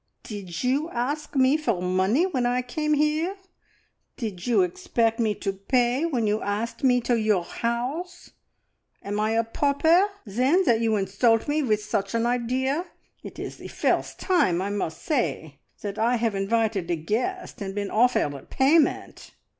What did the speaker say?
"Did you ask me for money when I came here? Did you expect me to pay when you asked me to your house? Am I a pauper, then, that you insult me with such an idea? It is the first time, I must say, that I have invited a guest, and been offered a payment."